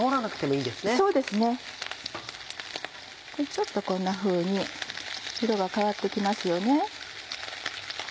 ちょっとこんなふうに色が変わってきますよね。